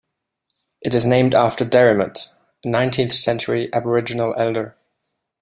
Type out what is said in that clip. It is named after Derrimut, a nineteenth-century Aboriginal Elder.